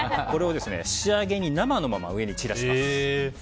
これを仕上げに生のまま上に散らします。